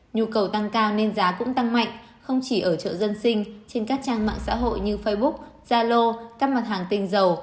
nhu cầu tăng cao nên giá cũng tăng mạnh không chỉ ở chợ dân sinh trên các trang mạng xã hội như facebook zalo các mặt hàng tinh dầu